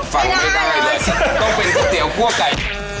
ฟังไม่ได้เลยต้องเป็นก๋วยเตี๋ยวคั่วไก่